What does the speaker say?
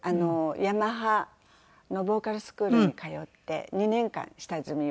ヤマハのボーカルスクールに通って２年間下積みをしていました。